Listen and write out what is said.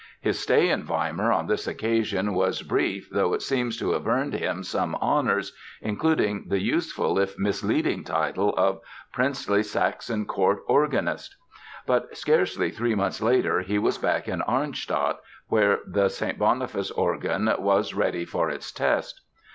His stay in Weimar on this occasion was brief though it seems to have earned him some honors, including the useful if misleading title of "Princely Saxon Court Organist." But scarcely three months later he was back in Arnstadt, where the St. Boniface organ was ready for its test.